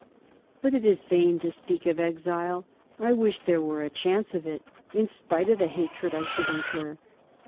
_But it is vain to speak of exile. I wish there were a chance of it, in spite of the hatred I should incur.